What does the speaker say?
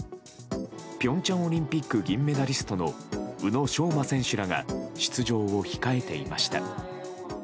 平昌オリンピック銀メダリストの宇野昌磨選手らが出場を控えていました。